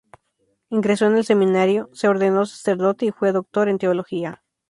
Ingresó en el seminario, se ordenó sacerdote y fue doctor en Teología.